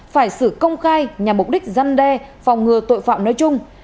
phải xử công khai nhằm mục đích dân đe phòng ngừa tội phạm nói chung